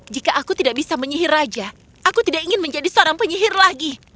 jika aku tidak bisa menyihir raja aku tidak ingin menjadi seorang penyihir lagi